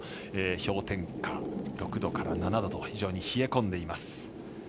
氷点下６度から７度と非常に冷え込んでいます。